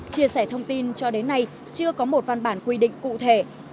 chia sẻ thông tin cho đến nay chưa có một văn bản quy định cụ thể